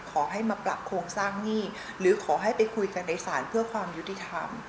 ขอให้มาปรับโครงสร้างหนี้หรือขอให้ไปคุยกันในศาลเพื่อความยุติธรรม